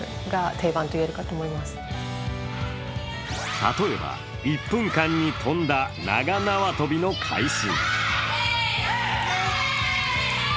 例えば１分間に跳んだ長縄跳びの回数。